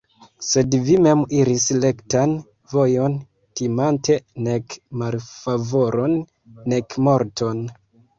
Sed vi mem iris rektan vojon, timante nek malfavoron, nek morton.